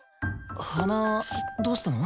鼻どうしたの？